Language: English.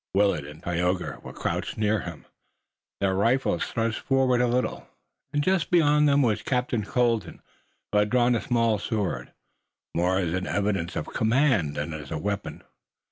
Willet and Tayoga were crouched near him, their rifles thrust forward a little, and just beyond them was Captain Colden who had drawn a small sword, more as an evidence of command than as a weapon.